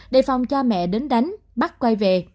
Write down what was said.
để phòng cha mẹ đến đánh bắt quay về